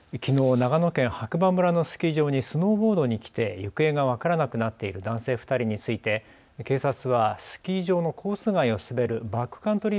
長野県白馬村のスキー場にスノーボードに来て行方が分からなくなっている男性２人について警察はスキー場のコース外を滑るバックカントリー